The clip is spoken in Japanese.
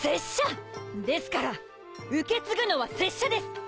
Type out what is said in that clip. ですから受け継ぐのは拙者です